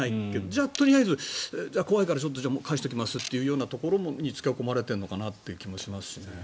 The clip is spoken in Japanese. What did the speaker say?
じゃあ、とりあえず怖いから返しておきますというところに付け込まれているのかなっていう気もしますしね。